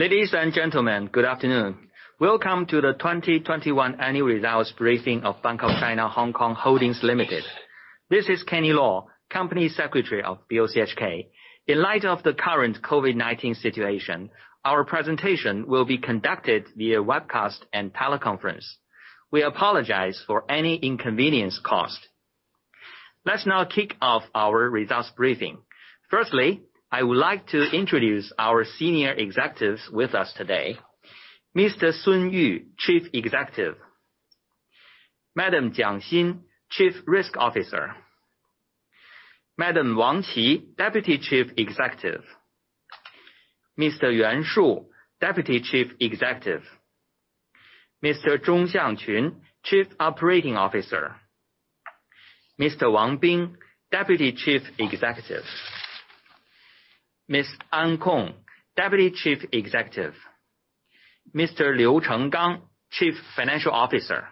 Ladies and gentlemen, good afternoon. Welcome to the 2021 annual results briefing of BOC Hong Kong (Holdings) Limited. This is Kenny Lau, company secretary of BOCHK. In light of the current COVID-19 situation, our presentation will be conducted via webcast and teleconference. We apologize for any inconvenience caused. Let's now kick off our results briefing. Firstly, I would like to introduce our senior executives with us today. Mr. Sun Yu, Chief Executive. Madam Jiang Xin, Chief Risk Officer. Madam Wang Qi, Deputy Chief Executive. Mr. Yuan Shu, Deputy Chief Executive. Mr. Zhong Xiangqun, Chief Operating Officer. Mr. Wang Bing, Deputy Chief Executive. Ms. Ann Kung Yeung, Deputy Chief Executive. Mr. Liu Chenggang, Chief Financial Officer.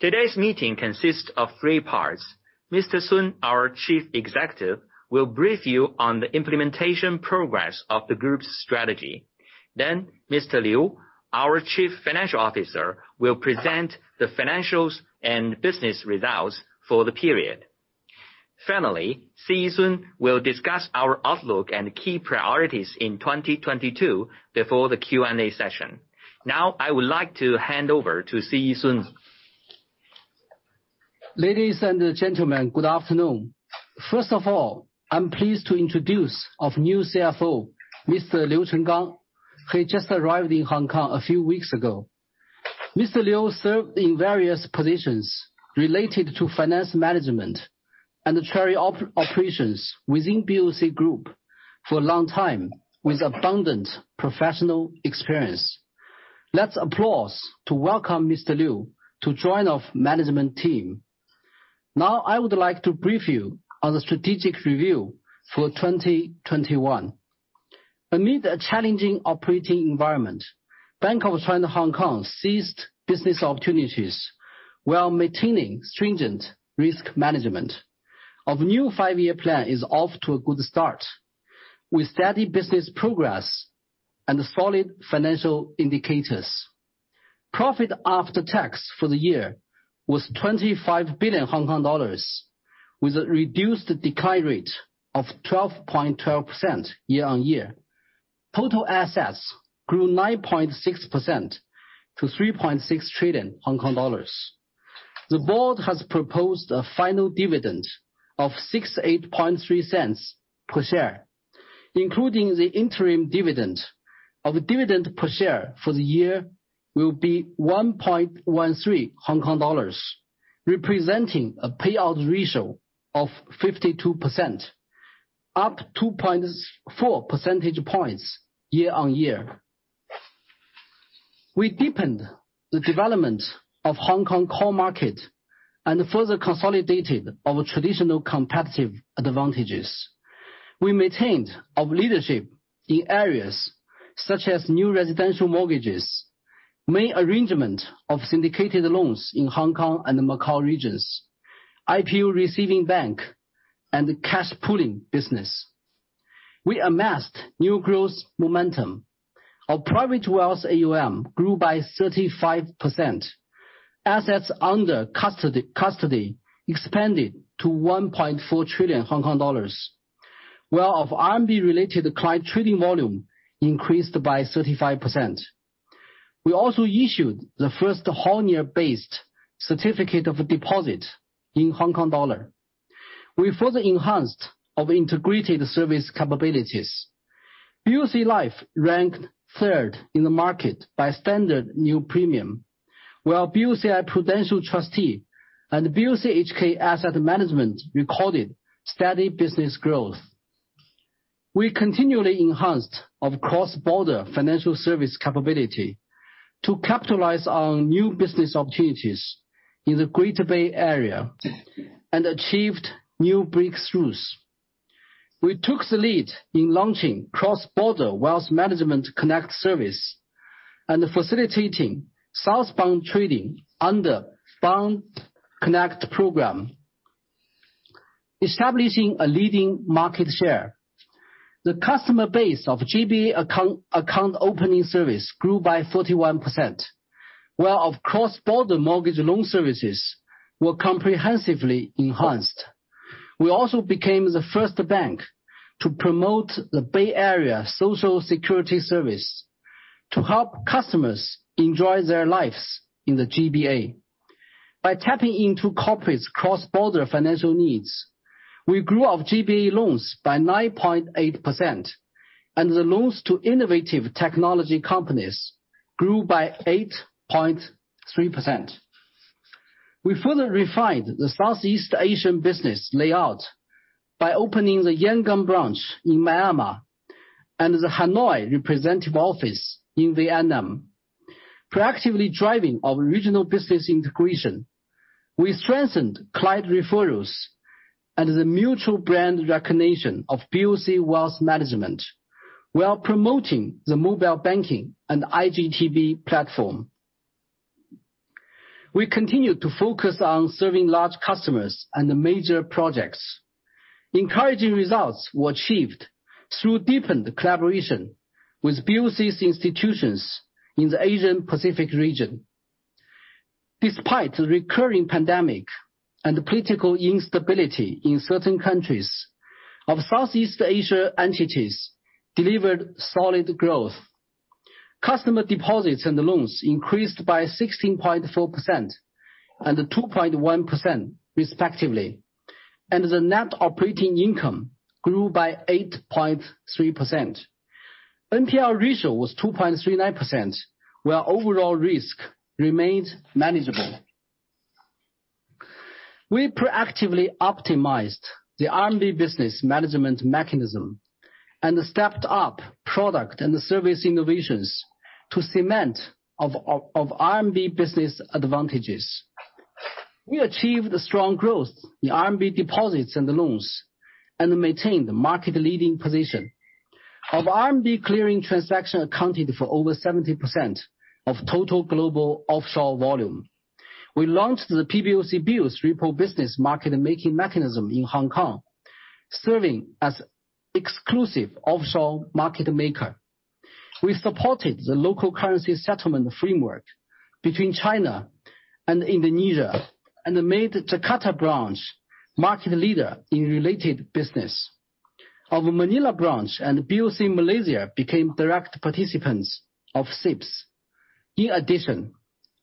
Today's meeting consists of three parts. Mr. Sun, our Chief Executive, will brief you on the implementation progress of the group's strategy. Then Mr. Liu, our Chief Financial Officer, will present the financials and business results for the period. Finally, Sun Yu will discuss our outlook and key priorities in 2022 before the Q&A session. Now I would like to hand over to Sun Yu. Ladies and gentlemen, good afternoon. First of all, I'm pleased to introduce our new CFO, Mr. Liu Chenggang, who just arrived in Hong Kong a few weeks ago. Mr. Liu served in various positions related to finance management and treasury operations within BOC Group for a long time with abundant professional experience. Let's applaud to welcome Mr. Liu to join our management team. Now I would like to brief you on the strategic review for 2021. Amid a challenging operating environment, Bank of China Hong Kong seized business opportunities while maintaining stringent risk management. Our new five-year plan is off to a good start with steady business progress and solid financial indicators. Profit after tax for the year was 25 billion Hong Kong dollars, with a reduced decline rate of 12.12% year-on-year. Total assets grew 9.6% to 3.6 trillion Hong Kong dollars. The board has proposed a final dividend of 0.683 per share, including the interim dividend. Our dividend per share for the year will be 1.13 Hong Kong dollars, representing a payout ratio of 52%, up 4 percentage points year-on-year. We deepened the development of Hong Kong core market and further consolidated our traditional competitive advantages. We maintained our leadership in areas such as new residential mortgages, main arrangement of syndicated loans in Hong Kong and Macau regions, IPO receiving bank and cash pooling business. We amassed new growth momentum. Our private wealth AUM grew by 35%. Assets under custody expanded to 1.4 trillion Hong Kong dollars. While our RMB-related client trading volume increased by 35%. We also issued the first Yen-based certificate of deposit in Hong Kong. We further enhanced our integrated service capabilities. BOC Life ranked third in the market by standard new premium, while BOCI-Prudential Trustee and BOCHK Asset Management recorded steady business growth. We continually enhanced our cross-border financial service capability to capitalize on new business opportunities in the Greater Bay Area and achieved new breakthroughs. We took the lead in launching Cross-boundary Wealth Management Connect service and facilitating southbound trading under Bond Connect program, establishing a leading market share. The customer base of GBA account opening service grew by 41%, while our cross-border mortgage loan services were comprehensively enhanced. We also became the first bank to promote the Bay Area Social Security Service to help customers enjoy their lives in the GBA. By tapping into corporate cross-border financial needs, we grew our GBA loans by 9.8%, and the loans to innovative technology companies grew by 8.3%. We further refined the Southeast Asian business layout by opening the Yangon branch in Myanmar and the Hanoi representative office in Vietnam. Proactively driving our regional business integration, we strengthened client referrals and the mutual brand recognition of BOC Wealth Management, while promoting the mobile banking and iGTB platform. We continue to focus on serving large customers and the major projects. Encouraging results were achieved through deepened collaboration with BOC's institutions in the Asian Pacific region. Despite the recurring pandemic and political instability in certain countries, our Southeast Asia entities delivered solid growth. Customer deposits and loans increased by 16.4% and 2.1% respectively. The net operating income grew by 8.3%. NPL ratio was 2.39%, where overall risk remained manageable. We proactively optimized the RMB business management mechanism and stepped up product and service innovations to cement our RMB business advantages. We achieved strong growth in RMB deposits and loans and maintained the market-leading position. Our RMB clearing transaction accounted for over 70% of total global offshore volume. We launched the PBOC Bills repo business market-making mechanism in Hong Kong, serving as exclusive offshore market maker. We supported the local currency settlement framework between China and Indonesia and made Jakarta branch market leader in related business. Our Manila branch and BOC Malaysia became direct participants of CIPS. In addition,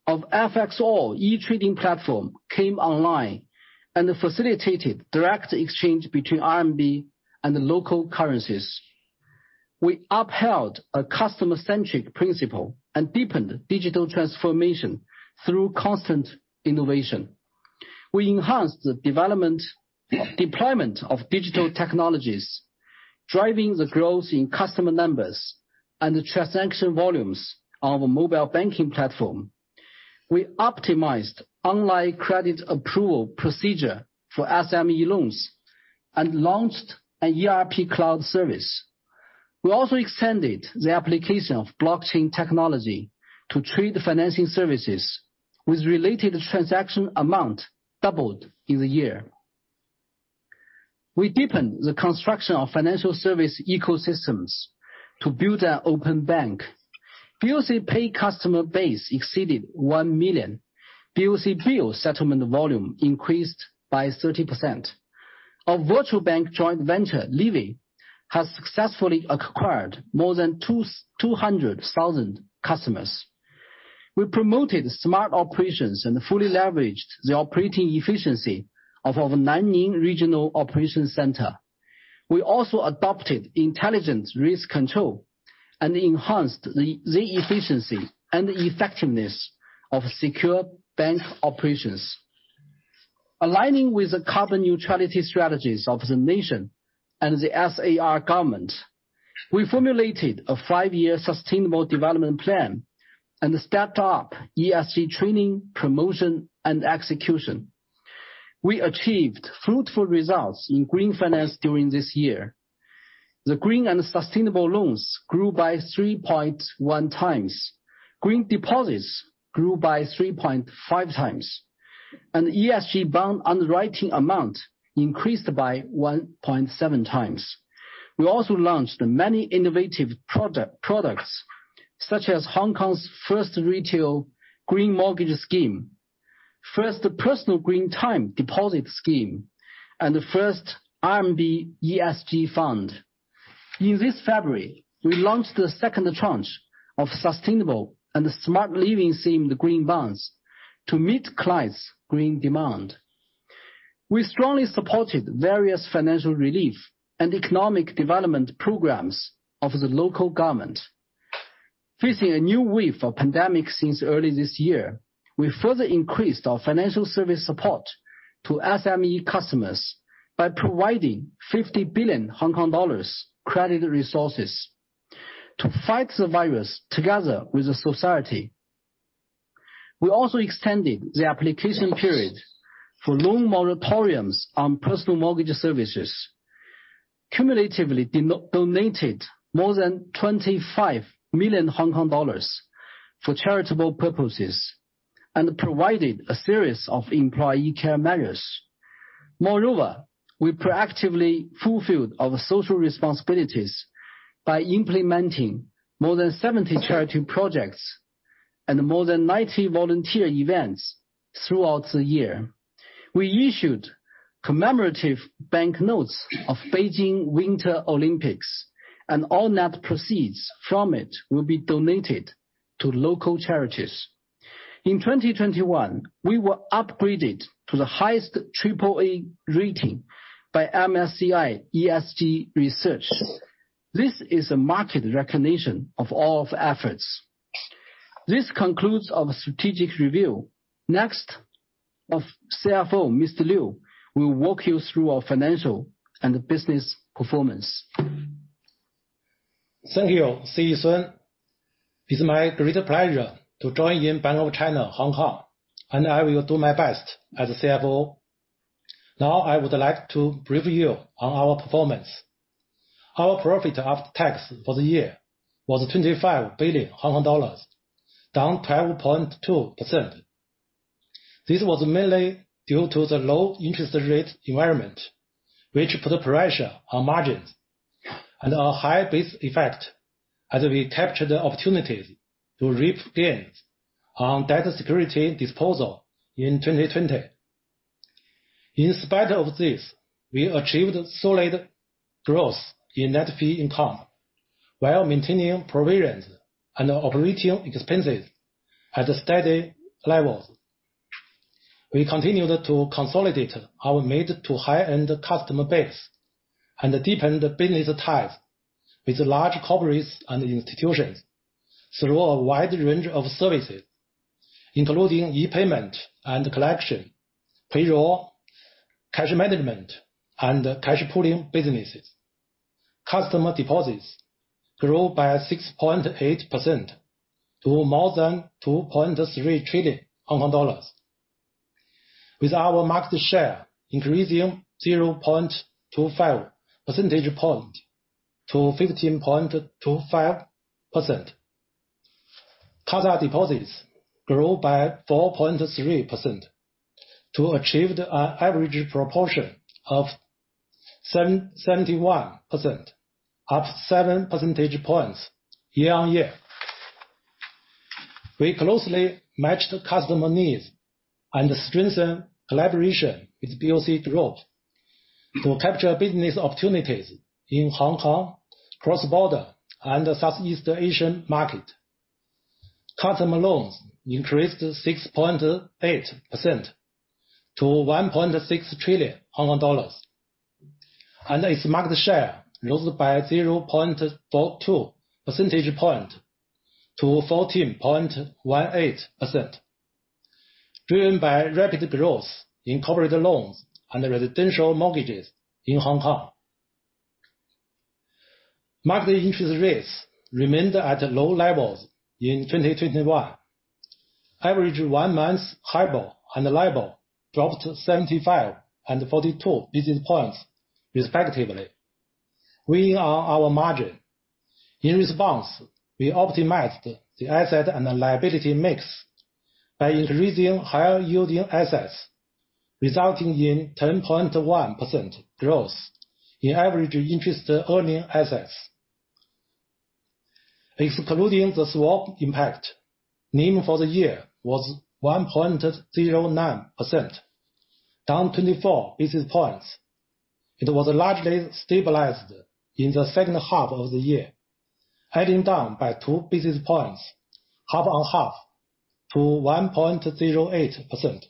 our FXall e-trading platform came online and facilitated direct exchange between RMB and the local currencies. We upheld a customer-centric principle and deepened digital transformation through constant innovation. We enhanced the development, deployment of digital technologies, driving the growth in customer numbers and the transaction volumes on the mobile banking platform. We optimized online credit approval procedure for SME loans and launched an ERP Cloud Services. We also extended the application of blockchain technology to trade financing services, with related transaction amount doubled in the year. We deepened the construction of financial service ecosystems to build an open bank. BOC Pay customer base exceeded 1 million. BOC Bill settlement volume increased by 30%. Our virtual bank joint venture, Livi, has successfully acquired more than 200,000 customers. We promoted smart operations and fully leveraged the operating efficiency of our Nanning regional operations center. We also adopted intelligent risk control and enhanced the efficiency and effectiveness of secure bank operations. Aligning with the carbon neutrality strategies of the nation and the SAR government, we formulated a five-year sustainable development plan and stepped up ESG training, promotion, and execution. We achieved fruitful results in green finance during this year. The green and sustainable loans grew by 3.1 times. Green deposits grew by 3.5 times. ESG bond underwriting amount increased by 1.7 times. We also launched many innovative products such as Hong Kong's first retail green mortgage scheme, first personal green time deposit scheme, and the first RMB ESG fund. In this February, we launched the second tranche of sustainable and smart living themed green bonds to meet clients' green demand. We strongly supported various financial relief and economic development programs of the local government. Facing a new wave of pandemic since early this year, we further increased our financial service support to SME customers by providing 50 billion Hong Kong dollars credit resources to fight the virus together with the society. We also extended the application period for loan moratoriums on personal mortgage services, cumulatively donated more than 25 million Hong Kong dollars for charitable purposes, and provided a series of employee care measures. Moreover, we proactively fulfilled our social responsibilities by implementing more than 70 charity projects and more than 90 volunteer events throughout the year. We issued commemorative banknotes of Beijing Winter Olympics, and all net proceeds from it will be donated to local charities. In 2021, we were upgraded to the highest AAA rating by MSCI ESG Research. This is a market recognition of all of our efforts. This concludes our strategic review. Next, our CFO, Mr. Liu will walk you through our financial and business performance. Thank you, Sun Yu. It's my great pleasure to join in Bank of China Hong Kong, and I will do my best as CFO. Now I would like to brief you on our performance. Our profit after tax for the year was 25 billion Hong Kong dollars, down 12.2%. This was mainly due to the low interest rate environment, which put pressure on margins and a high base effect as we captured the opportunities to reap gains on debt securities disposal in 2020. In spite of this, we achieved solid growth in net fee income while maintaining provisions and operating expenses at steady levels. We continued to consolidate our mid to high-end customer base and deepen the business ties with large corporates and institutions through a wide range of services, including e-payment and collection, payroll, cash management, and cash pooling businesses. Customer deposits grew by 6.8% to more than 2.3 trillion Hong Kong dollars, with our market share increasing 0.25 percentage point to 15.25%. CASA deposits grew by 4.3% to achieve the average proportion of 71%, up 7 percentage points year-on-year. We closely matched customer needs and strengthened collaboration with BOC Group to capture business opportunities in Hong Kong, cross-border, and Southeast Asian market. Customer loans increased 6.8% to 1.6 trillion Hong Kong dollars, and its market share rose by 0.2 percentage point to 14.18%, driven by rapid growth in corporate loans and residential mortgages in Hong Kong. Market interest rates remained at low levels in 2021. Average one-month HIBOR and LIBOR dropped 75 and 42 basis points respectively, weighing on our margin. In response, we optimized the asset and the liability mix by increasing higher yielding assets, resulting in 10.1% growth in average interest earning assets. Excluding the swap impact, NIM for the year was 1.09%, down 24 basis points. It was largely stabilized in the second half of the year, heading down by 2 basis points half-on-half to 1.08%.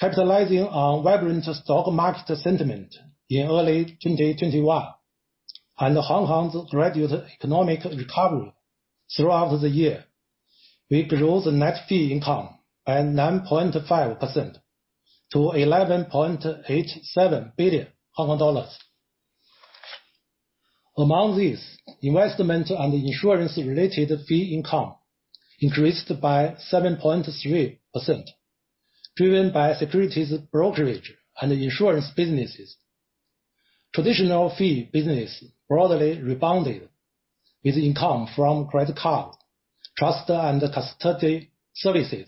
Capitalizing on vibrant stock market sentiment in early 2021 and Hong Kong's gradual economic recovery throughout the year, we grew the net fee income by 9.5% to HKD 11.87 billion. Among these, investment and insurance-related fee income increased by 7.3% driven by securities brokerage and insurance businesses. Traditional fee business broadly rebounded with income from credit card, trust and custody services,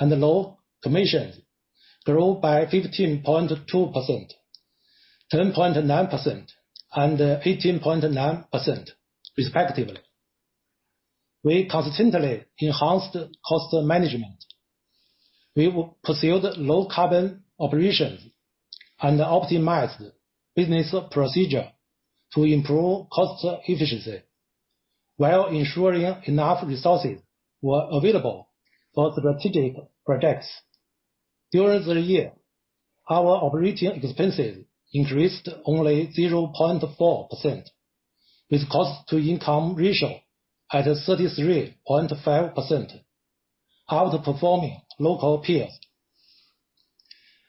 and loan commission grew by 15.2%, 10.9%, and 18.9% respectively. We consistently enhanced cost management. We will pursue the low carbon operations and optimize business procedure to improve cost efficiency while ensuring enough resources were available for strategic projects. During the year, our operating expenses increased only 0.4% with cost to income ratio at 33.5%, outperforming local peers.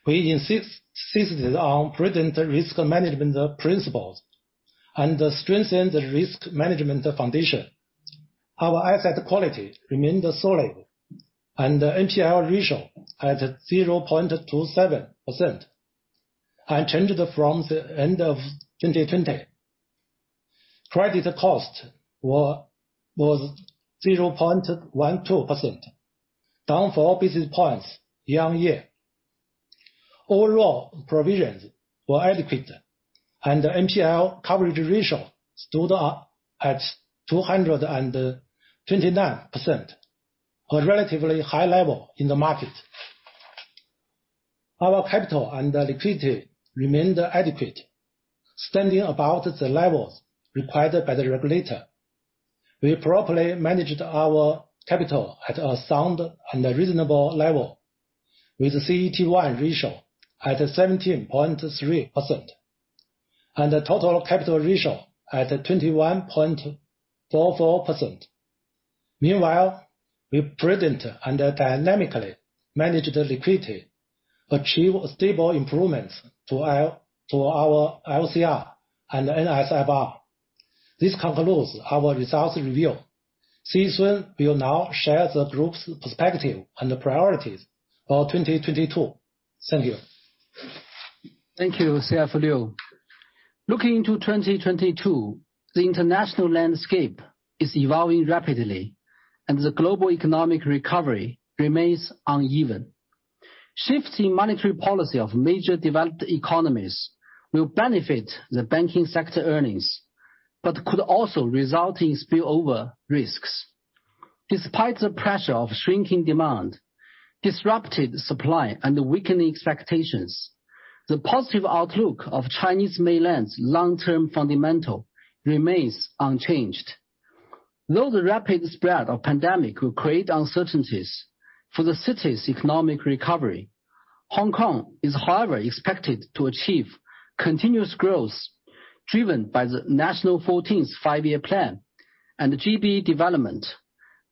We insisted on prudent risk management principles and strengthened risk management foundation. Our asset quality remained solid and the NPL ratio at 0.27%, unchanged from the end of 2020. Credit cost was 0.12%, down four basis points year-on-year. Overall, provisions were adequate and the NPL coverage ratio stood at 229%, a relatively high level in the market. Our capital and liquidity remained adequate, standing above the levels required by the regulator. We properly managed our capital at a sound and a reasonable level with CET1 ratio at 17.3% and total capital ratio at 21.44%. Meanwhile, we prudently and dynamically managed the liquidity, achieving stable improvements to our LCR and NSFR. This concludes our results review. Sun Yu will now share the group's perspective and the priorities for 2022. Thank you. Thank you, CFO Liu. Looking to 2022, the international landscape is evolving rapidly, and the global economic recovery remains uneven. Shifting monetary policy of major developed economies will benefit the banking sector earnings, but could also result in spillover risks. Despite the pressure of shrinking demand, disrupted supply and weakening expectations, the positive outlook of Chinese mainland's long-term fundamental remains unchanged. Though the rapid spread of pandemic will create uncertainties for the city's economic recovery, Hong Kong is, however, expected to achieve continuous growth driven by the national Fourteenth Five-Year Plan and the GBA development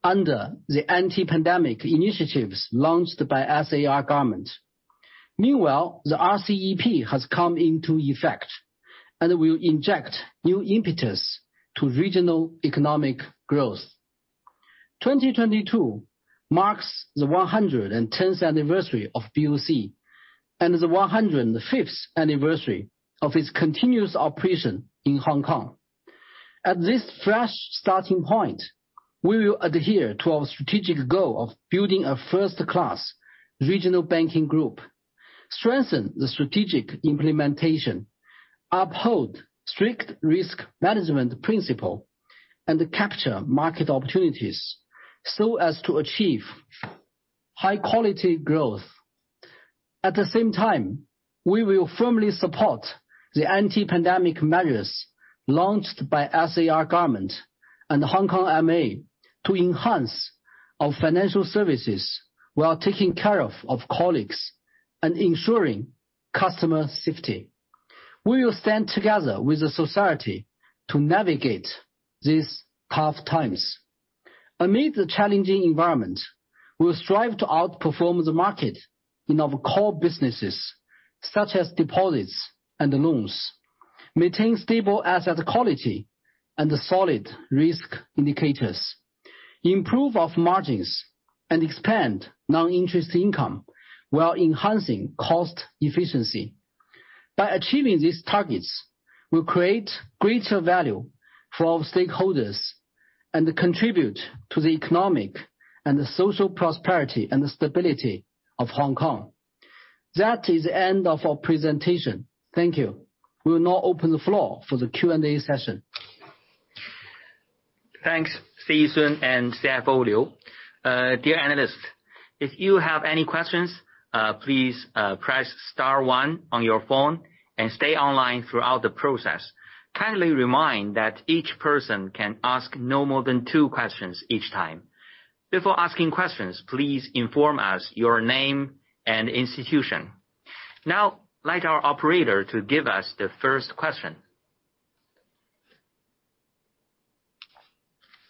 under the anti-pandemic initiatives launched by SAR government. Meanwhile, the RCEP has come into effect, and will inject new impetus to regional economic growth. 2022 marks the 110th anniversary of BOC and the 105th anniversary of its continuous operation in Hong Kong. At this fresh starting point, we will adhere to our strategic goal of building a first-class regional banking group, strengthen the strategic implementation, uphold strict risk management principle, and capture market opportunities so as to achieve high quality growth. At the same time, we will firmly support the anti-pandemic measures launched by SAR government and HKMA to enhance our financial services while taking care of colleagues and ensuring customer safety. We will stand together with the society to navigate these tough times. Amid the challenging environment, we'll strive to outperform the market in our core businesses, such as deposits and loans, maintain stable asset quality and solid risk indicators, improve our margins, and expand non-interest income while enhancing cost efficiency. By achieving these targets, we'll create greater value for our stakeholders and contribute to the economic and social prosperity and the stability of Hong Kong. That is the end of our presentation. Thank you. We will now open the floor for the Q&A session. Thanks, Sun Yu and CFO Liu Chenggang. Dear analysts, if you have any questions, please press star one on your phone and stay online throughout the process. Kindly remind that each person can ask no more than two questions each time. Before asking questions, please inform us your name and institution. Now, let our operator to give us the first question.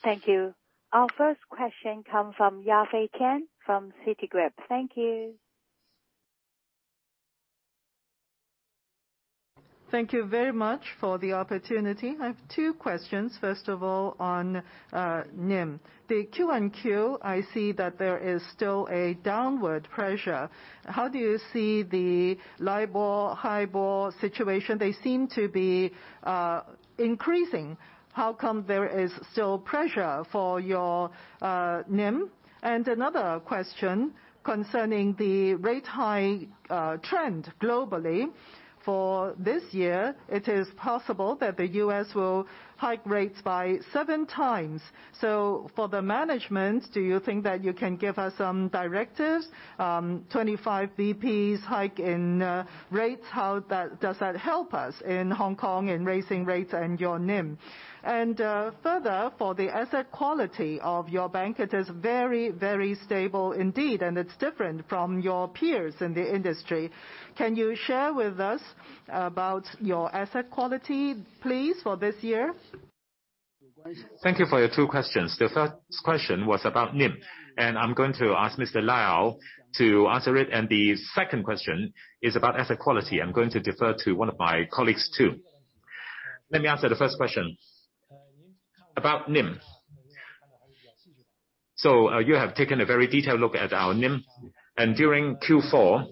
Thank you. Our first question comes from Yafei Tian from Citigroup. Thank you. Thank you very much for the opportunity. I have two questions. First of all, on NIM. The Q on Q, I see that there is still a downward pressure. How do you see the LIBOR, HIBOR situation? They seem to be increasing. How come there is still pressure for your NIM? Another question concerning the rate hike trend globally. For this year, it is possible that the U.S. will hike rates by seven times. For the management, do you think that you can give us some direction on 25 basis points hike in rates? How does that help us in Hong Kong in raising rates and your NIM? Further, for the asset quality of your bank, it is very, very stable indeed, and it's different from your peers in the industry. Can you share with us about your asset quality, please, for this year? Thank you for your two questions. The first question was about NIM, and I'm going to ask Mr. Liu to answer it. The second question is about asset quality. I'm going to defer to one of my colleagues too. Let me answer the first question. About NIM. You have taken a very detailed look at our NIM. During Q4,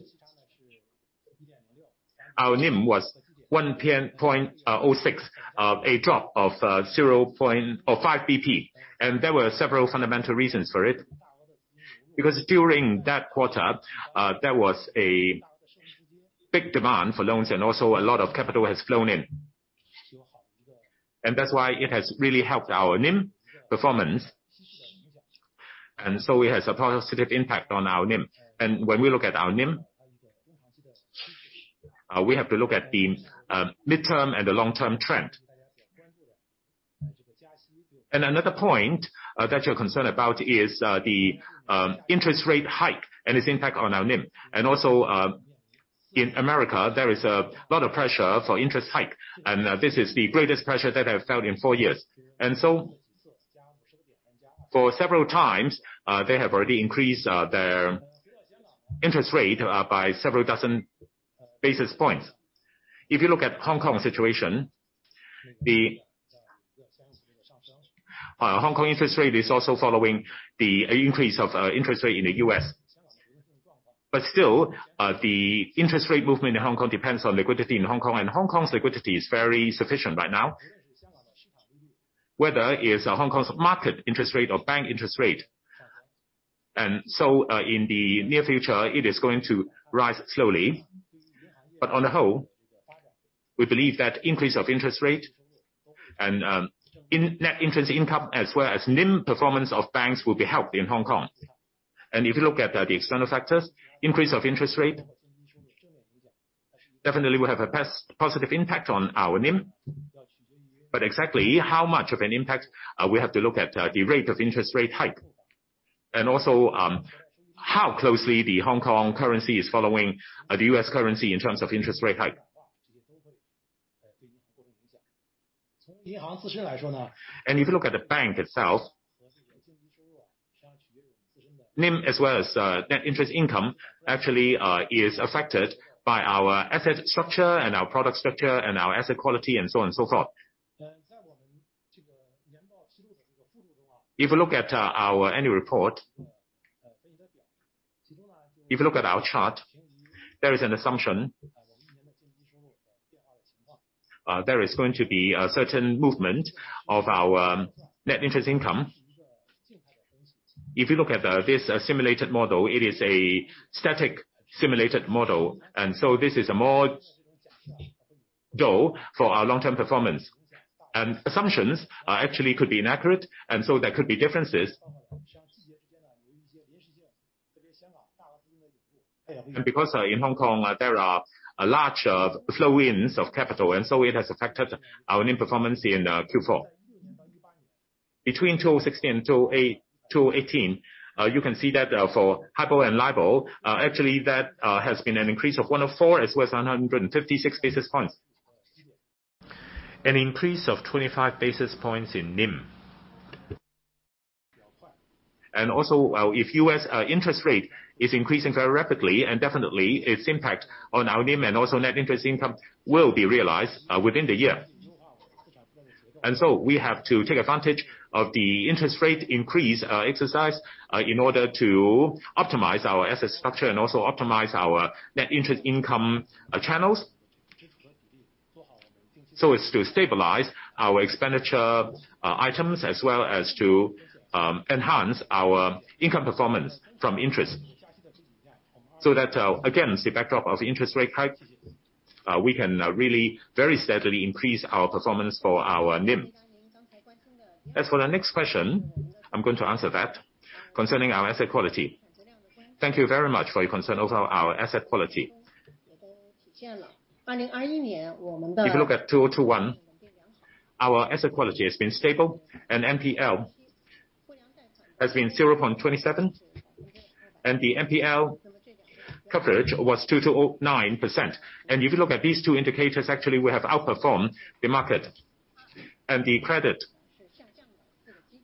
our NIM was 1.06%, a drop of 5 BP. There were several fundamental reasons for it. Because during that quarter, there was a big demand for loans and also a lot of capital has flown in. That's why it has really helped our NIM performance. It has a positive impact on our NIM. When we look at our NIM, we have to look at the midterm and the long-term trend. Another point that you're concerned about is the interest rate hike and its impact on our NIM. In America, there is a lot of pressure for interest hike, and this is the greatest pressure that I've felt in four years. For several times, they have already increased their interest rate by several dozen basis points. If you look at Hong Kong situation, the Hong Kong interest rate is also following the increase of interest rate in the U.S. But still, the interest rate movement in Hong Kong depends on liquidity in Hong Kong, and Hong Kong's liquidity is very sufficient right now. Whether it's Hong Kong's market interest rate or bank interest rate. In the near future, it is going to rise slowly. But on the whole, we believe that increase of interest rate and net interest income as well as NIM performance of banks will be helped in Hong Kong. If you look at the external factors, increase of interest rate definitely will have a positive impact on our NIM. But exactly how much of an impact, we have to look at the rate of interest rate hike. Also, how closely the Hong Kong currency is following the U.S. currency in terms of interest rate hike. If you look at the bank itself, NIM as well as net interest income actually is affected by our asset structure and our product structure and our asset quality and so on and so forth. If you look at our annual report, if you look at our chart, there is an assumption there is going to be a certain movement of our net interest income. If you look at this simulated model, it is a static simulated model. This is a major goal for our long-term performance. Assumptions actually could be inaccurate, and so there could be differences. Because in Hong Kong, there are a large inflow of capital, and so it has affected our NIM performance in Q4. Between 2016 and 2018, you can see that for HIBOR and LIBOR actually that has been an increase of 104 as well as 156 basis points. An increase of 25 basis points in NIM. If U.S. interest rate is increasing very rapidly and definitely its impact on our NIM and also net interest income will be realized within the year. We have to take advantage of the interest rate increase, exercise, in order to optimize our asset structure and also optimize our net interest income, channels. As to stabilize our expenditure, items as well as to enhance our income performance from interest. Again, the backdrop of interest rate hike, we can really very steadily increase our performance for our NIM. As for the next question, I'm going to answer that concerning our asset quality. Thank you very much for your concern over our asset quality. If you look at 2021, our asset quality has been stable and NPL has been 0.27, and the NPL coverage was 209%. If you look at these two indicators, actually we have outperformed the market. The credit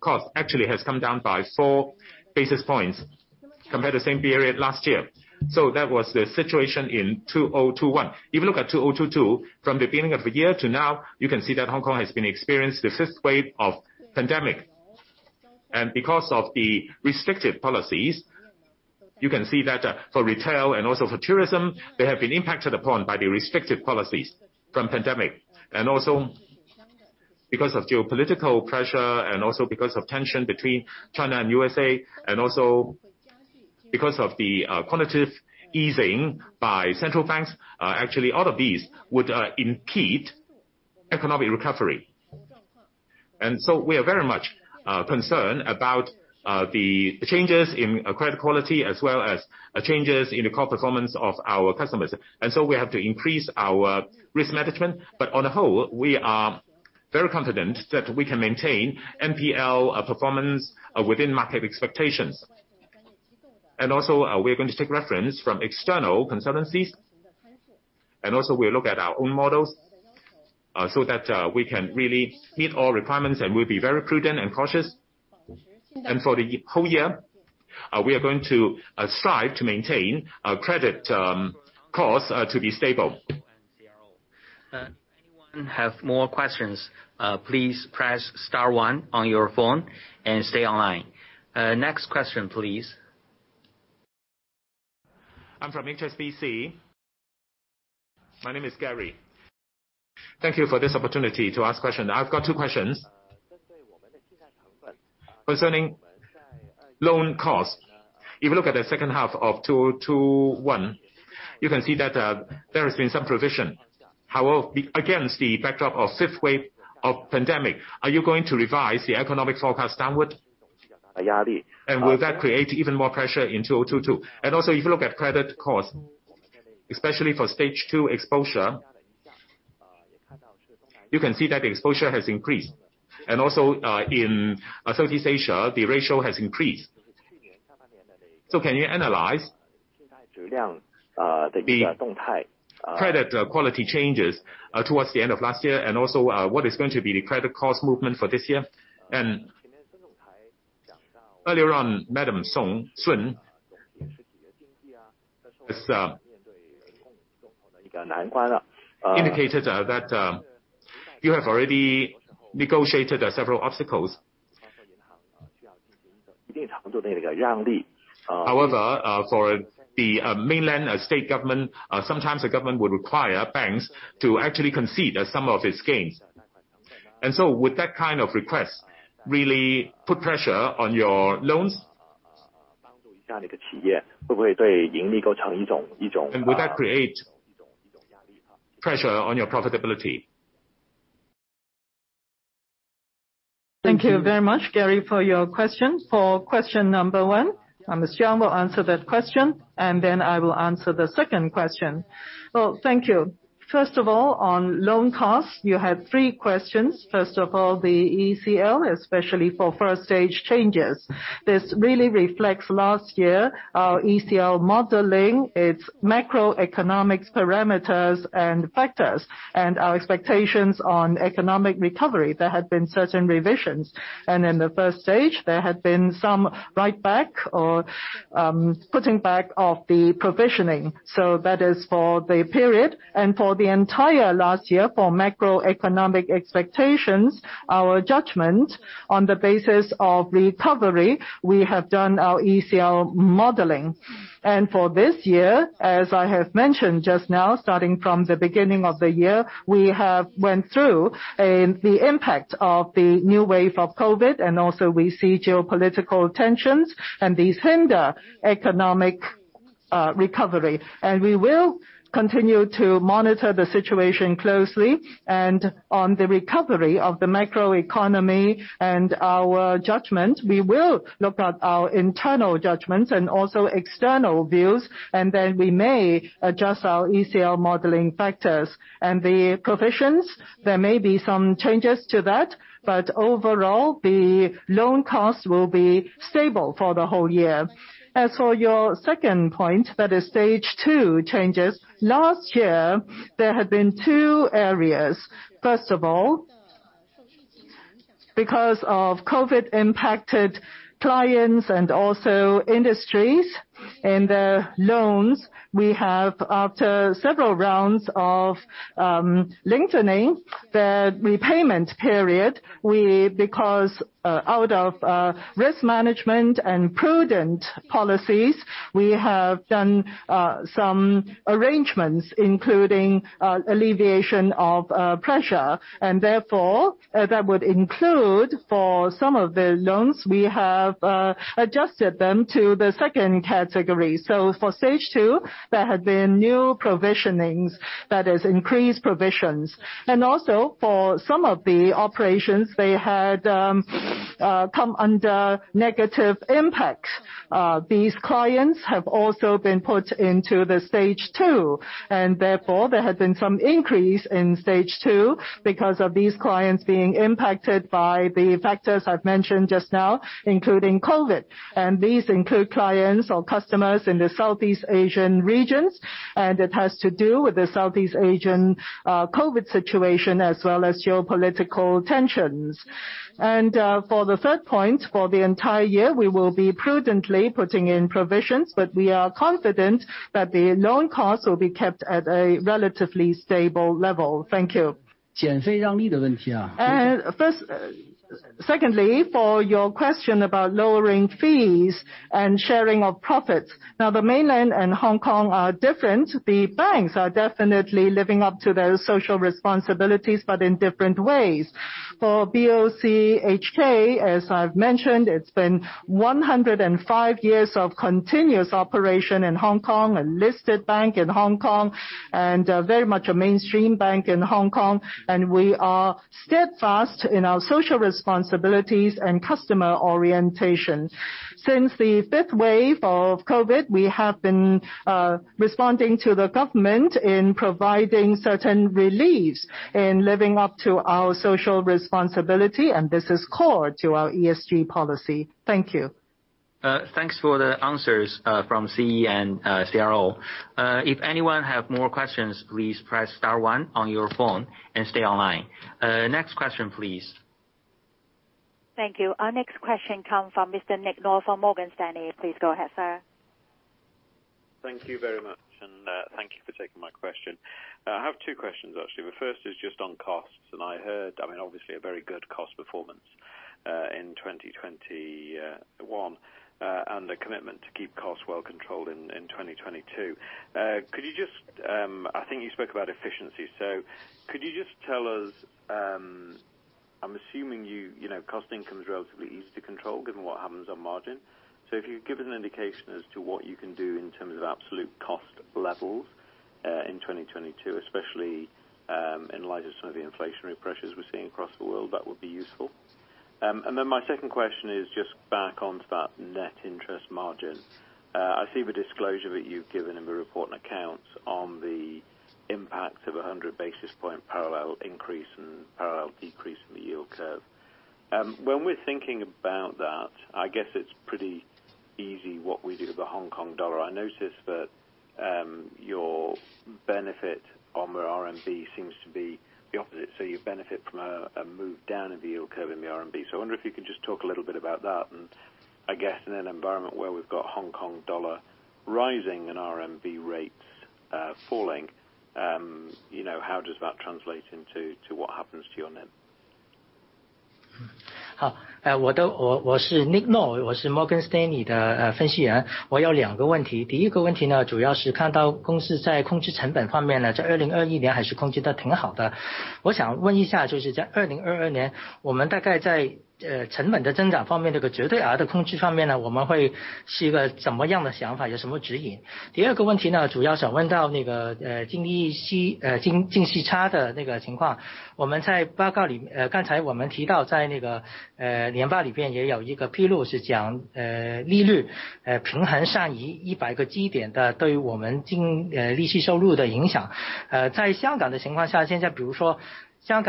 cost actually has come down by four basis points compared to the same period last year. That was the situation in 2021. If you look at 2022, from the beginning of the year to now, you can see that Hong Kong has been experiencing the fifth wave of the pandemic. Because of the restrictive policies, you can see that, for retail and also for tourism, they have been impacted upon by the restrictive policies from the pandemic. Also because of geopolitical pressure and also because of tension between China and USA, and also because of the quantitative easing by central banks, actually all of these would impede economic recovery. We are very much concerned about the changes in credit quality as well as changes in the core performance of our customers. We have to increase our risk management. On the whole, we are very confident that we can maintain NPL performance within market expectations. We're going to take reference from external consultancies. We'll look at our own models so that we can really meet all requirements and we'll be very prudent and cautious. For the whole year, we are going to strive to maintain our credit costs to be stable. Anyone have more questions? Please press star one on your phone and stay online. Next question please. I'm from HSBC. My name is Gary. Thank you for this opportunity to ask question. I've got two questions. Concerning loan costs, if you look at the second half of 2021, you can see that there has been some provision. Again, the backdrop of fifth wave of pandemic, are you going to revise the economic forecast downward? Will that create even more pressure in 2022? If you look at credit costs, especially for stage two exposure, you can see that the exposure has increased. In Southeast Asia, the ratio has increased. Can you analyze the credit quality changes towards the end of last year, and what is going to be the credit cost movement for this year? Earlier on, Mr. Sun Yu has indicated that you have already negotiated several obstacles. However, for the mainland state government, sometimes the government would require banks to actually concede some of its gains. Would that kind of request really put pressure on your loans? Would that create pressure on your profitability? Thank you very much, Gary, for your question. For question number one, Ms. Jiang will answer that question, and then I will answer the second question. Well, thank you. First of all, on loan costs, you had three questions. First of all, the ECL, especially for first stage changes. This really reflects last year our ECL modeling, its macroeconomic parameters and factors, and our expectations on economic recovery. There had been certain revisions, and in the first stage, there had been some write back or putting back of the provisioning. So that is for the period and for the entire last year for macroeconomic expectations. Our judgment on the basis of recovery, we have done our ECL modeling. For this year, as I have mentioned just now, starting from the beginning of the year, we have went through the impact of the new wave of COVID, and also we see geopolitical tensions and these hinder economic recovery. We will continue to monitor the situation closely. On the recovery of the macroeconomy and our judgment, we will look at our internal judgments and also external views, and then we may adjust our ECL modeling factors. The provisions, there may be some changes to that, but overall, the loan costs will be stable for the whole year. As for your second point, that is stage two changes. Last year there had been two areas. First of all, because of COVID-19 impacted clients and also industries and the loans we have after several rounds of lengthening the repayment period, because out of risk management and prudent policies, we have done some arrangements, including alleviation of pressure. Therefore that would include for some of the loans we have, adjusted them to the second category. For stage two, there had been new provisionings, that is increased provisions. Also for some of the operations they had come under negative impact. These clients have also been put into the stage two and therefore there had been some increase in stage two because of these clients being impacted by the factors I've mentioned just now, including COVID-19. These include clients or customers in the Southeast Asian regions. It has to do with the Southeast Asian COVID-19 situation as well as geopolitical tensions. For the third point, for the entire year, we will be prudently putting in provisions, but we are confident that the loan costs will be kept at a relatively stable level. Thank you. Secondly, for your question about lowering fees and sharing of profits. Now the mainland and Hong Kong are different. The banks are definitely living up to their social responsibilities, but in different ways. For BOCHK, as I've mentioned, it's been 105 years of continuous operation in Hong Kong, a listed bank in Hong Kong, and very much a mainstream bank in Hong Kong. We are steadfast in our social responsibilities and customer orientation. Since the fifth wave of COVID, we have been responding to the government in providing certain reliefs in living up to our social responsibility, and this is core to our ESG policy. Thank you. Thanks for the answers from CE and CRO. If anyone have more questions, please press star one on your phone and stay online. Next question, please. Thank you. Our next question comes from Mr. Nick Lord from Morgan Stanley. Please go ahead, sir. Thank you very much. Thank you for taking my question. I have two questions actually. The first is just on costs. I heard, I mean, obviously a very good cost performance in 2021 and a commitment to keep costs well controlled in 2022. I think you spoke about efficiency. Could you just tell us, I'm assuming you know, cost income is relatively easy to control given what happens on margin. If you could give an indication as to what you can do in terms of absolute cost levels in 2022, especially in light of some of the inflationary pressures we're seeing across the world, that would be useful. Then my second question is just back onto that net interest margin. I see the disclosure that you've given in the report and accounts on the impact of 100 basis points parallel increase and parallel decrease in the yield curve. When we're thinking about that, I guess it's pretty easy what we do with the Hong Kong dollar. I noticed that your benefit on the RMB seems to be the opposite. You benefit from a move down in the yield curve in the RMB. I wonder if you could just talk a little bit about that. I guess in an environment where we've got Hong Kong dollar rising and RMB rates falling, you know, how does that translate into what happens to your NIM? Thank you, Nick, for your questions. You have mentioned two questions, one about cost, the other one about NIM. I'm going to refer this to Mr. Liu. Thank you for your question.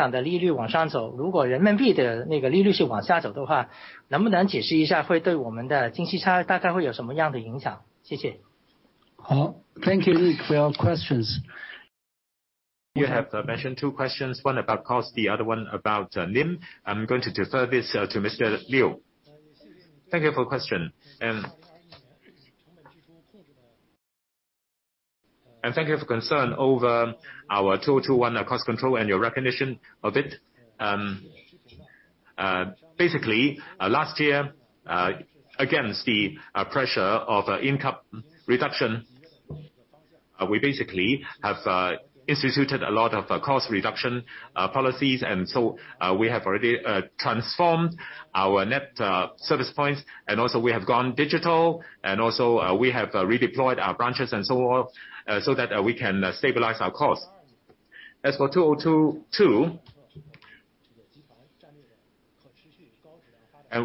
Thank you for your concern over our 221 cost control and your recognition of it. Basically, last year, against the pressure of income reduction, we basically have instituted a lot of cost reduction policies. We have already transformed our net service points, and also we have gone digital, and also we have redeployed our branches and so on, so that we can stabilize our costs. As for 2022,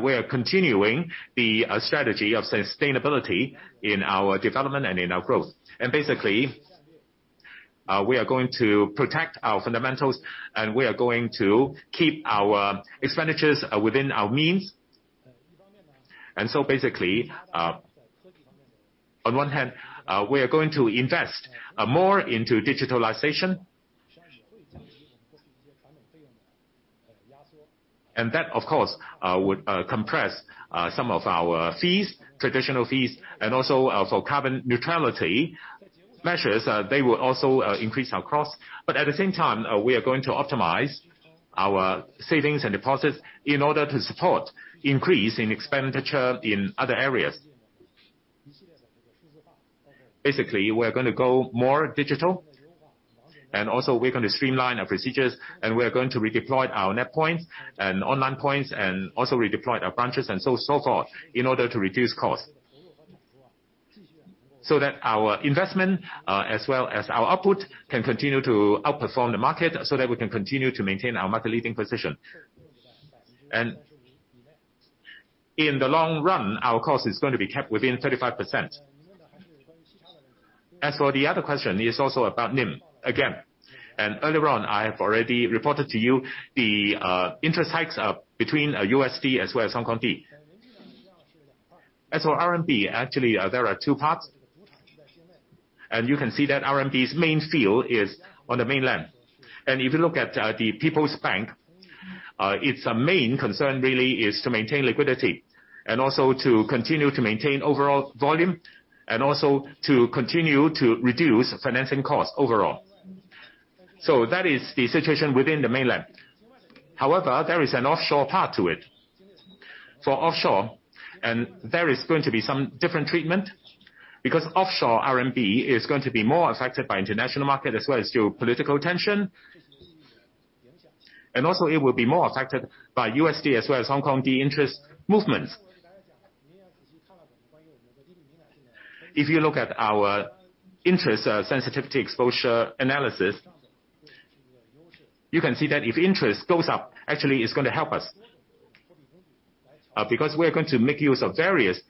we are continuing the strategy of sustainability in our development and in our growth. Basically, we are going to protect our fundamentals and we are going to keep our expenditures within our means. Basically, on one hand, we are going to invest more into digitalization. That, of course, would compress some of our fees, traditional fees, and also, for carbon neutrality measures, they will also increase our cost. At the same time, we are going to optimize our savings and deposits in order to support increase in expenditure in other areas. Basically, we're gonna go more digital, and also we're gonna streamline our procedures, and we are going to redeploy our net points and online points, and also redeploy our branches and so forth in order to reduce costs. That our investment, as well as our output can continue to outperform the market, so that we can continue to maintain our market leading position. In the long run, our cost is gonna be kept within 35%. As for the other question, it's also about NIM. Again, earlier on, I have already reported to you the interest hikes between USD as well as Hong Kong dollar. As for RMB, actually, there are two parts. You can see that RMB's main field is on the mainland. If you look at the People's Bank, its main concern really is to maintain liquidity and also to continue to maintain overall volume and also to continue to reduce financing costs overall. That is the situation within the mainland. However, there is an offshore part to it. For offshore, there is going to be some different treatment, because offshore RMB is going to be more affected by international market as well as geopolitical tension. Also it will be more affected by USD as well as HKD interest movements. If you look at our interest sensitivity exposure analysis, you can see that if interest goes up, actually it's gonna help us, because we are going to make use of various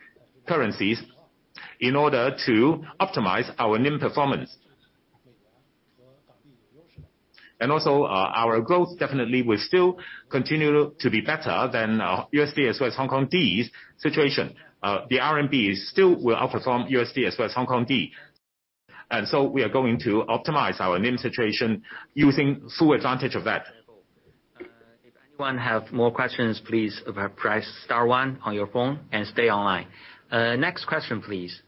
currencies in order to optimize our NIM performance. Also our growth definitely will still continue to be better than USD as well as HKD's situation. The RMB still will outperform USD as well as HKD. We are going to optimize our NIM situation using full advantage of that. If anyone have more questions, please press star one on your phone and stay online. Next question, please.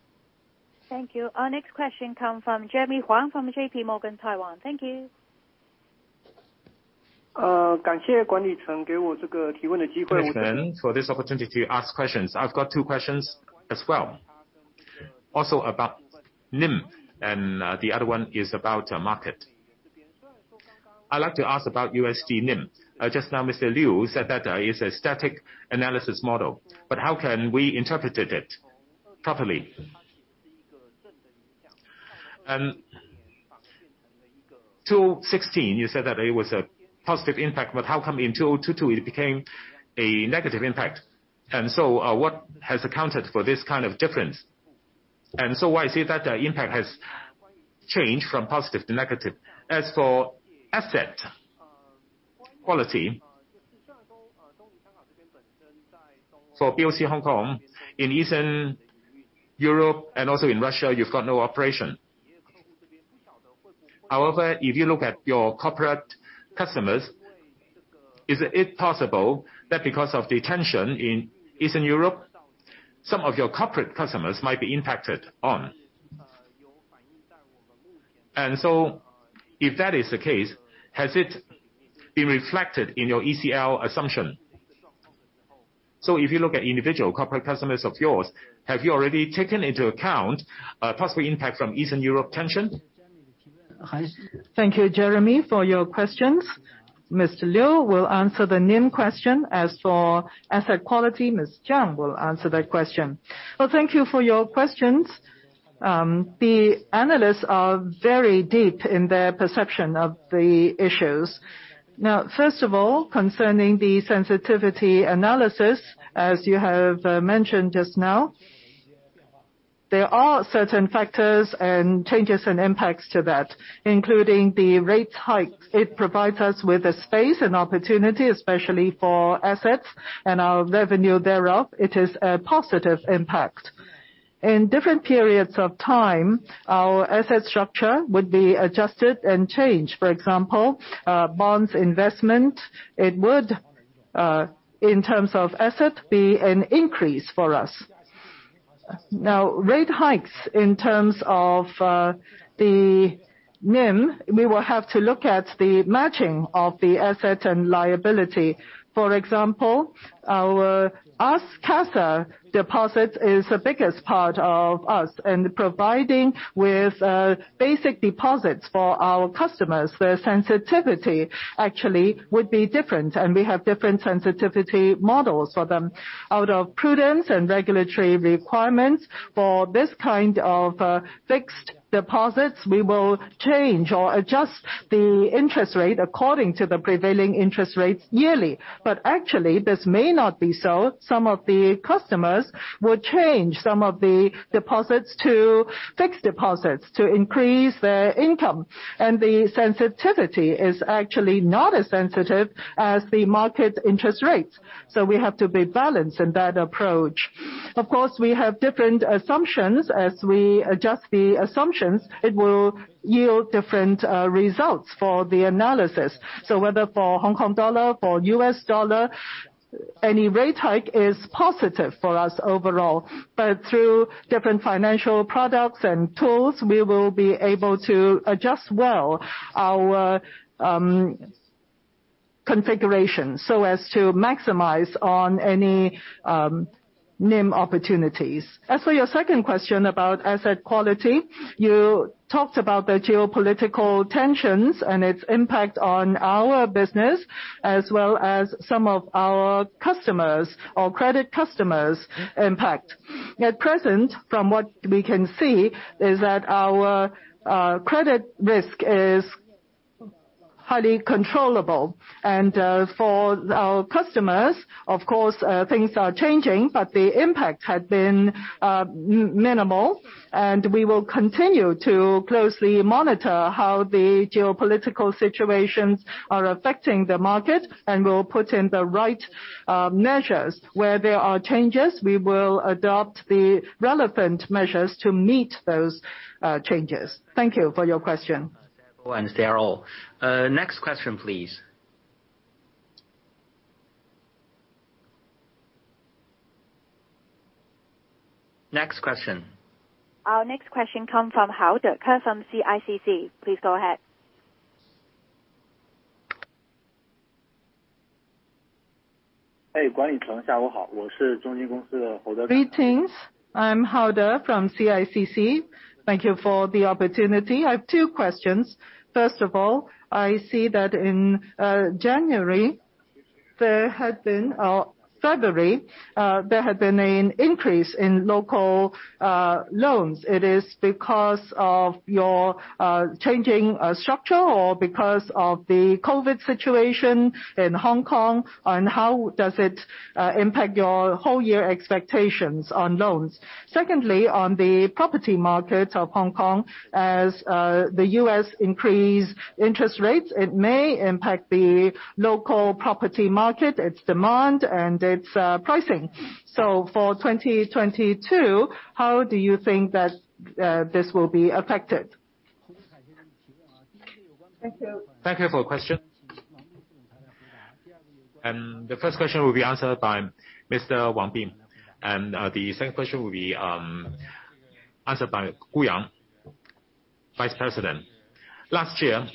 Thank you. Our next question comes from Jerry Huang from J.P. Morgan. Thank you. Thank you for this opportunity to ask questions. I've got two questions as well, also about NIM and the other one is about market. I'd like to ask about USD NIM. Just now, Mr. Liu said that it's a static analysis model, but how can we interpret it properly? 2016, you said that it was a positive impact, but how come in 2022 it became a negative impact? What has accounted for this kind of difference? Why is it that the impact has changed from positive to negative? As for asset quality, for BOC Hong Kong, in Eastern Europe and also in Russia, you've got no operation. However, if you look at your corporate customers, is it possible that because of the tension in Eastern Europe, some of your corporate customers might be impacted on? If that is the case, has it been reflected in your ECL assumption? If you look at individual corporate customers of yours, have you already taken into account a possible impact from Eastern Europe tension? Thank you, Jerry, for your questions. Mr. Liu will answer the NIM question. As for asset quality, Ms. Jiang will answer that question. Well, thank you for your questions. The analysts are very deep in their perception of the issues. Now, first of all, concerning the sensitivity analysis, as you have mentioned just now, there are certain factors and changes and impacts to that, including the rate hikes. It provides us with the space and opportunity, especially for assets and our revenue thereof. It is a positive impact. In different periods of time, our asset structure would be adjusted and changed. For example, bonds investment, it would, in terms of asset, be an increase for us. Now, rate hikes in terms of the NIM, we will have to look at the matching of the asset and liability. For example, our CASA deposit is the biggest part of us. Providing with basic deposits for our customers, their sensitivity actually would be different, and we have different sensitivity models for them. Out of prudence and regulatory requirements for this kind of fixed deposits, we will change or adjust the interest rate according to the prevailing interest rates yearly. Actually this may not be so. Some of the customers will change some of the deposits to fixed deposits to increase their income. The sensitivity is actually not as sensitive as the market interest rates. We have to be balanced in that approach. Of course, we have different assumptions. As we adjust the assumptions, it will yield different results for the analysis. Whether for Hong Kong dollar, for US dollar, any rate hike is positive for us overall. Through different financial products and tools, we will be able to adjust well our configuration so as to maximize on any NIM opportunities. As for your second question about asset quality, you talked about the geopolitical tensions and its impact on our business as well as some of our customers or credit customers impact. At present, from what we can see is that our credit risk is highly controllable. For our customers, of course, things are changing, but the impact had been minimal. We will continue to closely monitor how the geopolitical situations are affecting the market, and we'll put in the right measures. Where there are changes, we will adopt the relevant measures to meet those changes. Thank you for your question. Sterile. Next question, please. Next question. Our next question comes from Ke Haoda from CICC. Please go ahead. Hey, Guang Yi Cheng. Greetings. I'm Ke Haoda from CICC. Thank you for the opportunity. I have two questions. First of all, I see that in January or February, there had been an increase in local loans. Is it because of your changing structure or because of the COVID situation in Hong Kong? And how does it impact your whole year expectations on loans? Secondly, on the property market of Hong Kong, as the U.S. increases interest rates, it may impact the local property market, its demand and its pricing. For 2022, how do you think that this will be affected? Thank you. Thank you for your question. The first question will be answered by Mr. Wang Bing. The second question will be answered by Ann Kung Yeung, Vice President. Last year,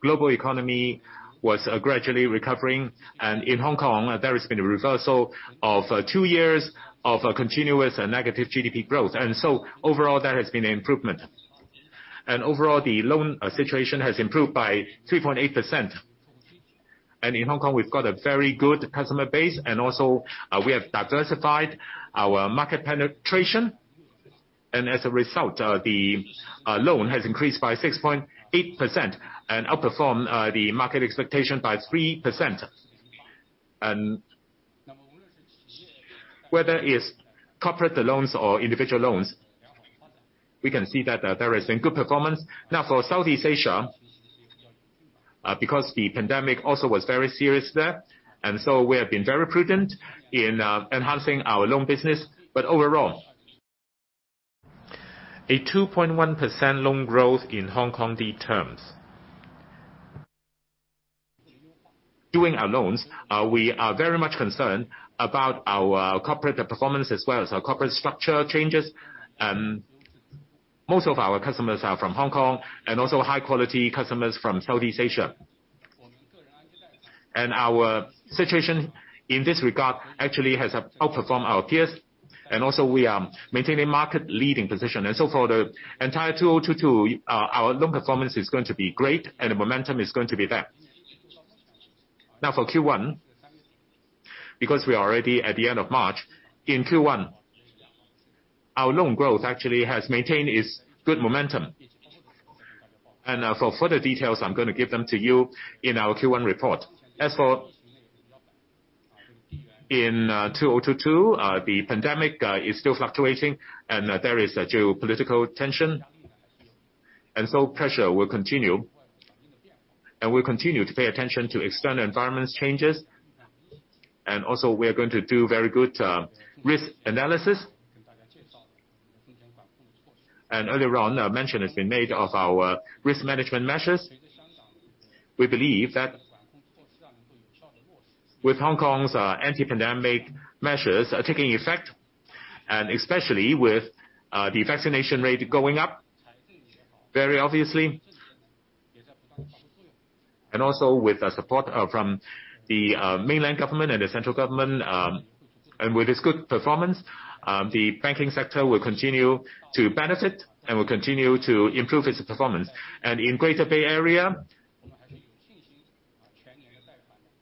global economy was gradually recovering. In Hong Kong, there has been a reversal of two years of a continuous and negative GDP growth. Overall there has been an improvement. Overall the loan situation has improved by 3.8%. In Hong Kong we've got a very good customer base, and also, we have diversified our market penetration. As a result, the loan has increased by 6.8% and outperformed the market expectation by 3%. Whether it's corporate loans or individual loans, we can see that there is a good performance. Now for Southeast Asia, because the pandemic also was very serious there, and so we have been very prudent in enhancing our loan business. Overall, a 2.1% loan growth in Hong Kong terms. Doing our loans, we are very much concerned about our corporate performance as well as our corporate structure changes. Most of our customers are from Hong Kong and also high-quality customers from Southeast Asia. Our situation in this regard actually has outperformed our peers. We are maintaining market-leading position. For the entire 2022, our loan performance is going to be great and the momentum is going to be there. For Q1, because we are already at the end of March, in Q1 our loan growth actually has maintained its good momentum. For further details, I'm gonna give them to you in our Q1 report. As for in 2022, the pandemic is still fluctuating, and there is a geopolitical tension. Pressure will continue, and we'll continue to pay attention to external environments changes. We also are going to do very good risk analysis. Earlier on, mention has been made of our risk management measures. We believe that with Hong Kong's anti-pandemic measures are taking effect, and especially with the vaccination rate going up very obviously, and also with the support from the mainland government and the central government, and with this good performance, the banking sector will continue to benefit and will continue to improve its performance. In Greater Bay Area,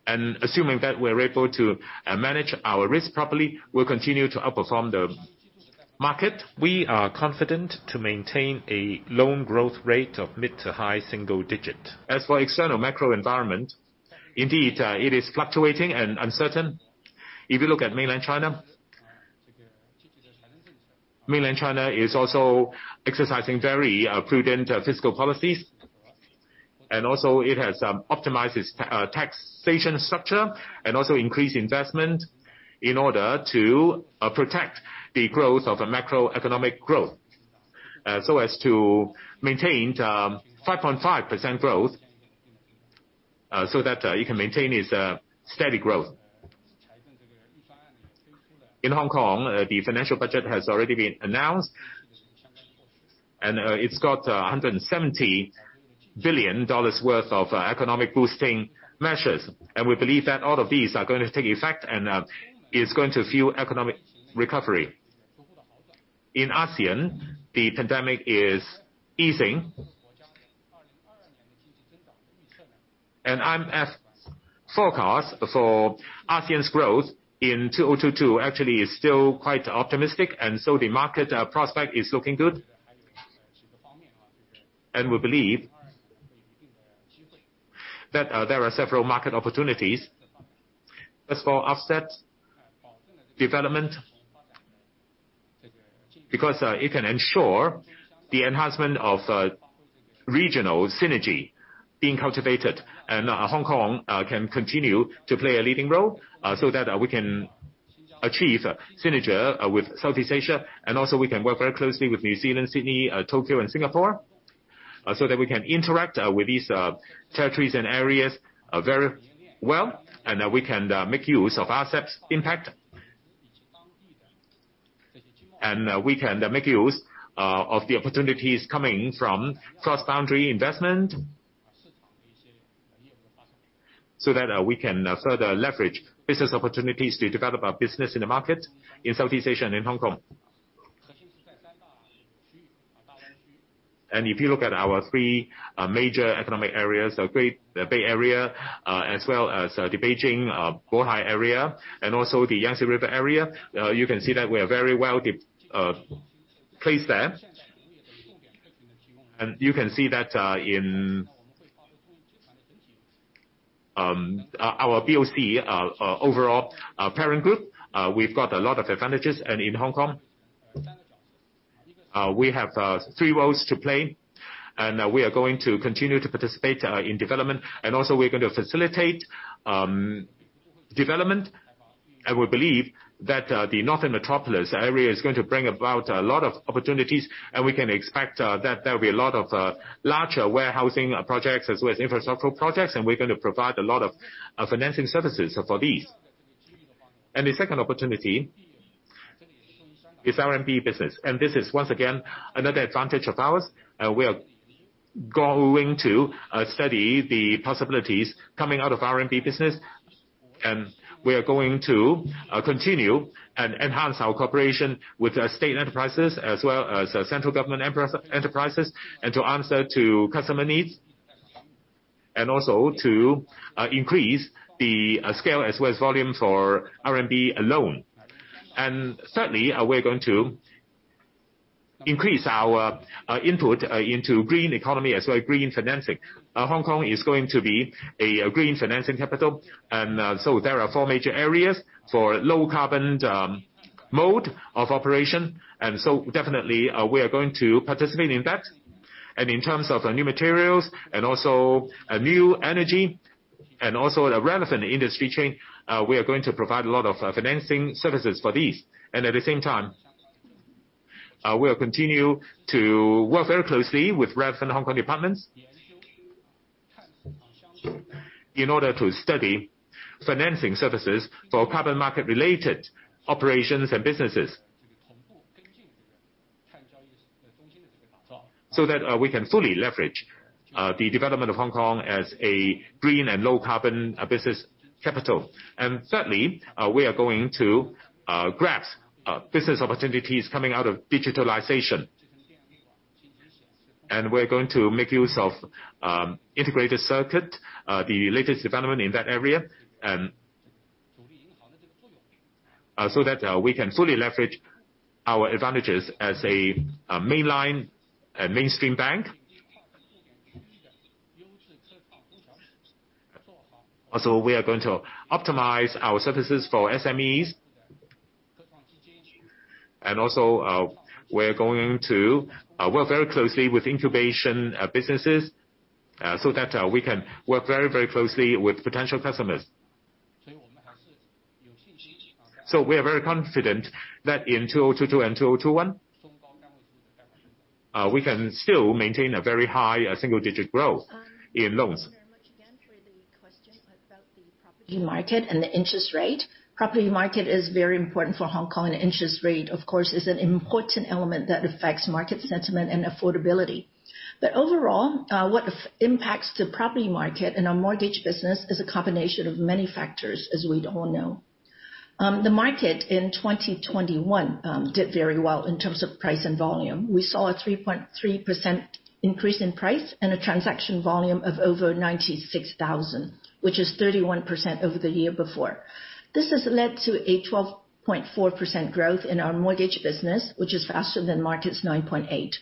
assuming that we're able to manage our risk properly, we'll continue to outperform the market. We are confident to maintain a loan growth rate of mid- to high-single-digit. As for external macro environment, indeed, it is fluctuating and uncertain. If you look at mainland China, mainland China is also exercising very prudent fiscal policies. It has optimized its taxation structure and also increased investment in order to protect the growth of a macroeconomic growth, so as to maintain 5.5% growth, so that it can maintain its steady growth. In Hong Kong, the financial budget has already been announced, and it's got 170 billion dollars worth of economic boosting measures. We believe that all of these are going to take effect and is going to fuel economic recovery. In ASEAN, the pandemic is easing. IMF forecast for ASEAN's growth in 2022 actually is still quite optimistic, and so the market prospect is looking good. We believe that there are several market opportunities. As for offshore development, because it can ensure the enhancement of regional synergy being cultivated. Hong Kong can continue to play a leading role, so that we can achieve synergy with Southeast Asia, and also we can work very closely with New Zealand, Sydney, Tokyo and Singapore, so that we can interact with these territories and areas very well, and we can make use of RCEP's impact. We can make use of the opportunities coming from cross-boundary investment, so that we can further leverage business opportunities to develop our business in the market in Southeast Asia and in Hong Kong. If you look at our three major economic areas, the Greater Bay Area, as well as the Beijing Bohai Rim and also the Yangtze River Delta, you can see that we are very well placed there. You can see that in our BOC overall parent group, we've got a lot of advantages. In Hong Kong, we have three roles to play, and we are going to continue to participate in development. Also we're going to facilitate development. We believe that the Northern Metropolis area is going to bring about a lot of opportunities. We can expect that there will be a lot of larger warehousing projects as well as infrastructure projects. We're gonna provide a lot of financing services for these. The second opportunity is RMB business. This is once again another advantage of ours. We are going to study the possibilities coming out of RMB business. We are going to continue and enhance our cooperation with the state enterprises as well as central government enterprises and to answer to customer needs, and also to increase the scale as well as volume for RMB lone. Certainly, we're going to increase our input into green economy as well green financing. Hong Kong is going to be a green financing capital, and so there are four major areas for low-carbon mode of operation, and so definitely we are going to participate in that. In terms of new materials and also new energy and also a relevant industry chain, we are going to provide a lot of financing services for these. At the same time, we'll continue to work very closely with relevant Hong Kong departments in order to study financing services for carbon market related operations and businesses so that we can fully leverage the development of Hong Kong as a green and low carbon business capital. Thirdly, we are going to grasp business opportunities coming out of digitalization. We're going to make use of integrated circuit, the latest development in that area so that we can fully leverage our advantages as a mainland and mainstream bank. We are going to optimize our services for SMEs. We're going to work very closely with incubation businesses so that we can work very, very closely with potential customers. We are very confident that in 2022 and 2021 we can still maintain a very high single-digit growth in loans. Thank you very much again for the question about the property market and the interest rate. Property market is very important for Hong Kong, and interest rate, of course, is an important element that affects market sentiment and affordability. Overall, impacts the property market and our mortgage business is a combination of many factors, as we'd all know. The market in 2021 did very well in terms of price and volume. We saw a 3.3% increase in price and a transaction volume of over 96,000, which is 31% over the year before. This has led to a 12.4% growth in our mortgage business, which is faster than market's 9.8%,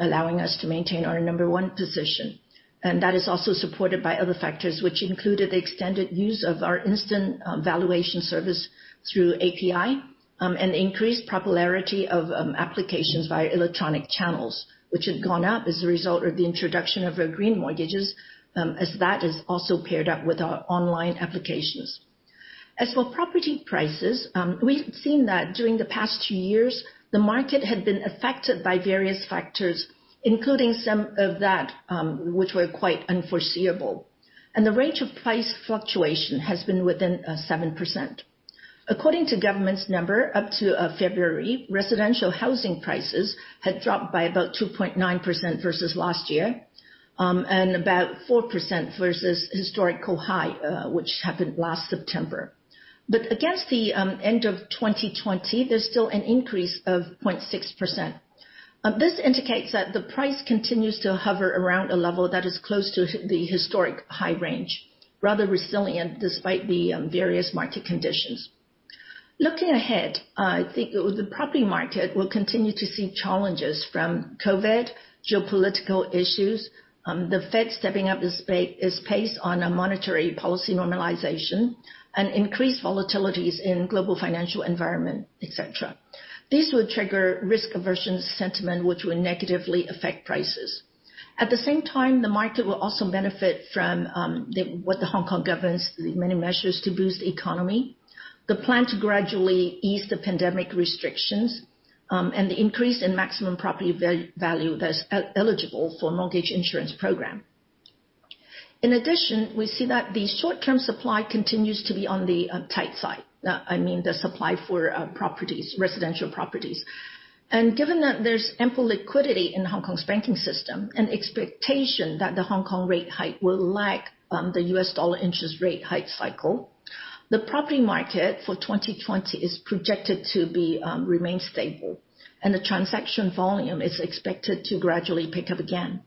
allowing us to maintain our number one position. That is also supported by other factors, which included the extended use of our instant valuation service through API, and increased popularity of applications via electronic channels, which had gone up as a result of the introduction of our green mortgages, as that is also paired up with our online applications. As for property prices, we've seen that during the past two years, the market had been affected by various factors, including some of that, which were quite unforeseeable. The range of price fluctuation has been within 7%. According to government's number, up to February, residential housing prices had dropped by about 2.9% versus last year, and about 4% versus historical high, which happened last September. Against the end of 2020, there's still an increase of 0.6%. This indicates that the price continues to hover around a level that is close to the historic high range, rather resilient despite the various market conditions. Looking ahead, I think the property market will continue to see challenges from COVID, geopolitical issues, the Fed stepping up its pace on a monetary policy normalization and increased volatilities in global financial environment, et cetera. This will trigger risk aversion sentiment, which will negatively affect prices. At the same time, the market will also benefit from what the Hong Kong government's many measures to boost the economy, the plan to gradually ease the pandemic restrictions, and the increase in maximum property value that's eligible for mortgage insurance program. In addition, we see that the short-term supply continues to be on the tight side. I mean, the supply for properties, residential properties. Given that there's ample liquidity in Hong Kong's banking system and expectation that the Hong Kong rate hike will lag the US dollar interest rate hike cycle, the property market for 2020 is projected to remain stable, and the transaction volume is expected to gradually pick up again.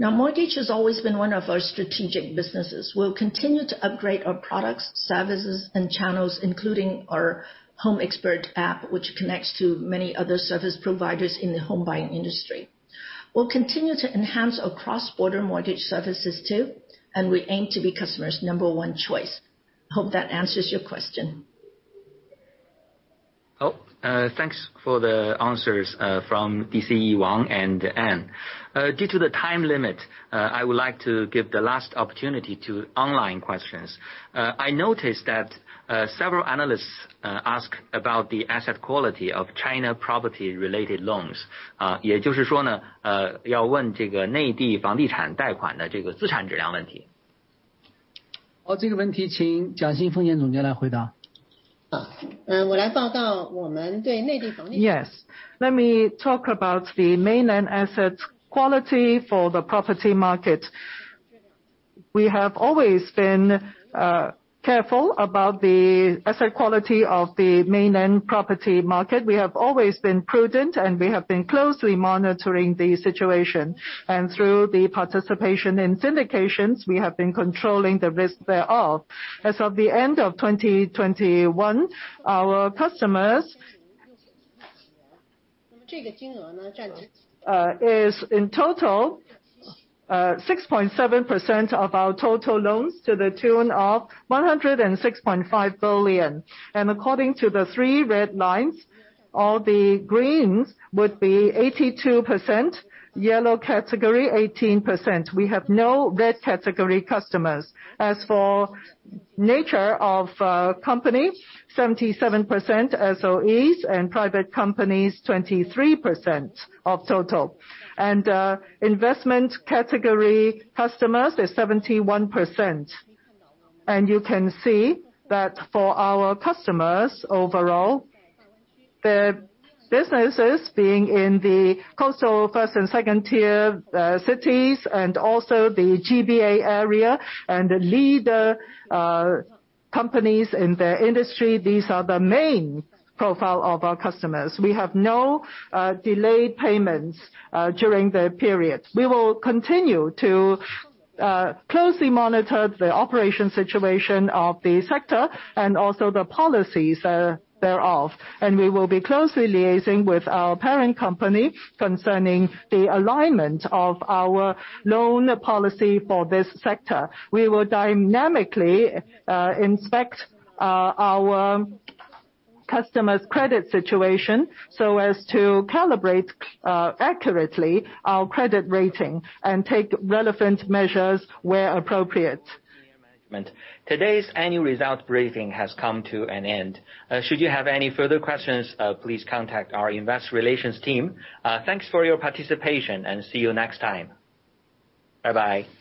Now, mortgage has always been one of our strategic businesses. We'll continue to upgrade our products, services, and channels, including our Home Expert App, which connects to many other service providers in the home buying industry. We'll continue to enhance our cross-border mortgage services too, and we aim to be customers' number one choice. Hope that answers your question. Oh, thanks for the answers from Wang Qi and Anne. Due to the time limit, I would like to give the last opportunity to online questions. I noticed that several analysts ask about the asset quality of China property related loans. Yes. Let me talk about the mainland asset quality for the property market. We have always been careful about the asset quality of the mainland property market. We have always been prudent, and we have been closely monitoring the situation. Through the participation in syndications, we have been controlling the risk thereof. As of the end of 2021, our customers This is in total, 6.7% of our total loans to the tune of 106.5 billion. According to the Three Red Lines, all the greens would be 82%, yellow category 18%. We have no red category customers. As for nature of company, 77% SOEs and private companies, 23% of total. Investment category customers is 71%. You can see that for our customers overall, the businesses being in the coastal first and second tier cities and also the GBA area and the leading companies in their industry, these are the main profile of our customers. We have no delayed payments during the period. We will continue to closely monitor the operation situation of the sector and also the policies thereof. We will be closely liaising with our parent company concerning the alignment of our loan policy for this sector. We will dynamically inspect our customer's credit situation so as to calibrate accurately our credit rating and take relevant measures where appropriate. Management. Today's annual result briefing has come to an end. Should you have any further questions, please contact our investor relations team. Thanks for your participation and see you next time. Bye-bye.